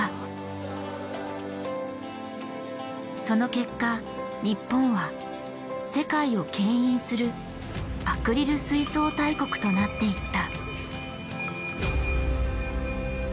その結果日本は世界を牽引するアクリル水槽大国となっていった。